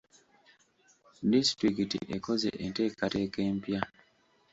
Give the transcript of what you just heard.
Disitulikiti ekoze enteeketeeka empya.